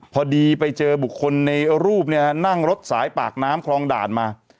พอดีไปเจอบุคคลในรูปเนี่ยนั่งรถสายปากน้ำคลองด่านมา